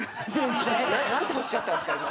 何ておっしゃったんすか？